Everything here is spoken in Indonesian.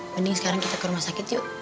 mending sekarang kita ke rumah sakit yuk